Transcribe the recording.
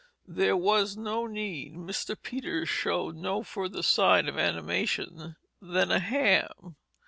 There was no need. Mr. Peters showed no further sign of animation than a ham.